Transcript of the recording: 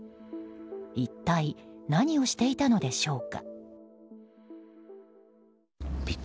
一体、何をしていたのでしょうか。